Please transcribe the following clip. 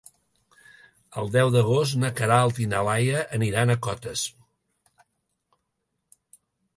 El deu d'agost na Queralt i na Laia aniran a Cotes.